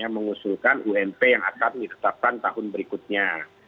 mengusulkan ump yang akan ditetapkan tahun berikutnya